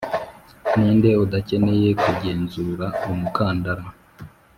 ninde udakeneye kugenzura umukandara;